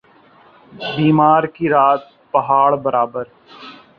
بیمار کی رات پہاڑ برابر